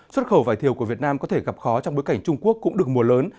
xuất khẩu vải thiều của việt nam có thể gặp khó trong bối cảnh trung quốc cũng được mùa lớn